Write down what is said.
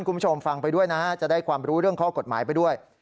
คุณผู้ชมฟังไปด้วยนะฮะจะได้ความรู้เรื่องข้อกฎหมายไปด้วย